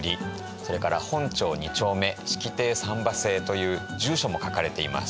それから「本町二丁目式亭三馬製」という住所も書かれています。